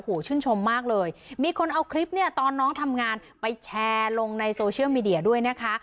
โอ้โหชื่นชมมากเลยมีคนเอาคลิปเนี่ยตอนน้องทำงานไปแชร์ลงในโซเชียลมีเดียด้วยนะคะ